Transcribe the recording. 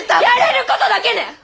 やれることだけね！